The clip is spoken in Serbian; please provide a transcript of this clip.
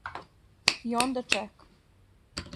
И онда чека.